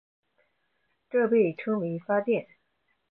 这被称为发电。